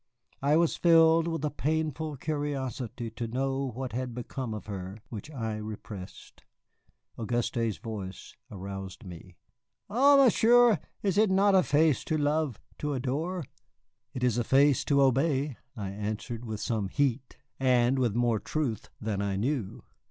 I was filled with a painful curiosity to know what had become of her, which I repressed. Auguste's voice aroused me. "Ah, Monsieur, is it not a face to love, to adore?" "It is a face to obey," I answered, with some heat, and with more truth than I knew.